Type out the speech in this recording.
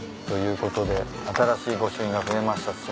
ということで新しい御朱印が増えました。